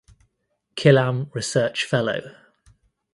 Killam Research Fellow.